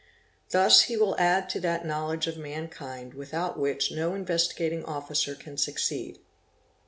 Thus he will add to that knowledge of mankind without which no Investigating Officer can succeed.